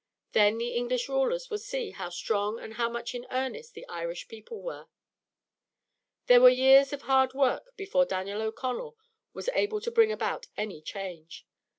Then the English rulers would see how strong and how much in earnest the Irish people were. There were years of hard work before Daniel O'Connell was able to bring about any change.